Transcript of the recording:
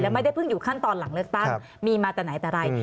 ไม่ได้เพิ่งอยู่ขั้นตอนหลังเลือกตั้งมีมาแต่ไหนแต่ไร